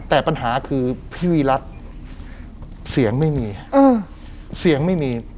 แต่ปัญหาคือพี่วิรัตเสียงไม่มี